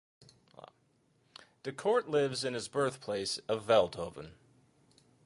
De Kort lives in his birth place of Veldhoven.